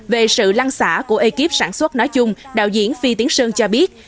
về sự lăng xả của ekip sản xuất nói chung đạo diễn phi tiến sơn cho biết